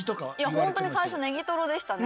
本当に最初ネギトロでしたね。